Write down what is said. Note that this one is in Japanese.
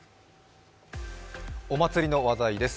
お祭りの話題です。